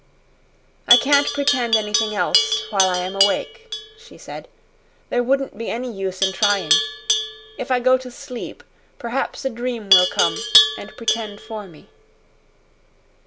"I can't pretend anything else while I am awake," she said. "There wouldn't be any use in trying. If I go to sleep, perhaps a dream will come and pretend for me."